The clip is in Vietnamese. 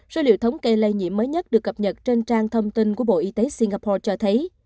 số liệu thống kê lây nhiễm mới nhất được cập nhật trên trang thông tin của bộ y tế singapore cho thấy